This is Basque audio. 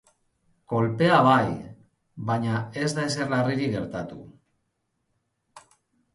Kolpea bai, baina ez da ezer larririk gertatu.